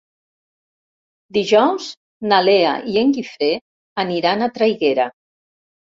Dijous na Lea i en Guifré aniran a Traiguera.